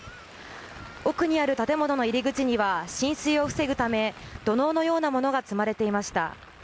奥にある建物の入り口には浸水を防ぐため土のうのような物が積まれていました。